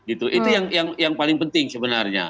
itu yang paling penting sebenarnya